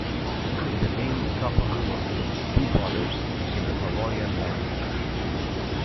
The name "kapa lua" means "two borders" in the Hawaiian language.